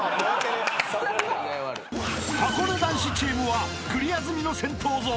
［はこね男子チームはクリア済みの銭湯ゾーン］